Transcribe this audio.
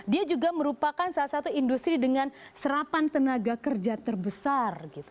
dia juga merupakan salah satu industri dengan serapan tenaga kerja terbesar